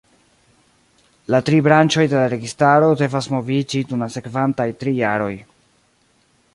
La tri branĉoj de la registaro devas moviĝi dum la sekvantaj tri jaroj.